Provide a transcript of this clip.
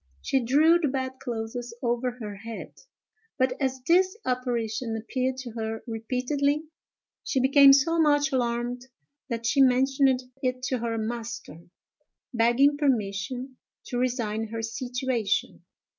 She drew the bed clothes over her head; but, as this apparition appeared to her repeatedly, she became so much alarmed that she mentioned it to her master, begging permission to resign her situation.